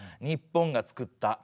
日本がつくった？